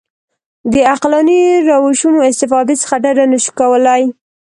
د عقلاني روشونو استفادې څخه ډډه نه شو کولای.